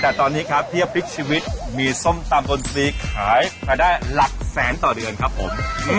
แต่ตอนนี้ครับเฮียไฟล์ชีวิตมีส้มตำดนตรีได้ลักแสนต่อเดือนครับผม